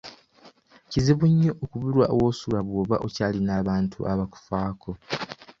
Kizibu nnyo okubulwa w'osula bwoba okyayina abantu abakufaako.